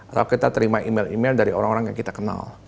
atau kita terima email email dari orang orang yang kita kenal